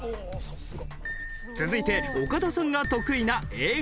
続いて岡田さんが得意な英語。